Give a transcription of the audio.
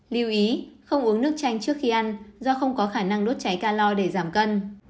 lưu ý không uống nước chanh trước khi ăn do không có khả năng đốt cháy calor để giảm cân